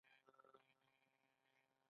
د کندهار په خاکریز کې د څه شي نښې دي؟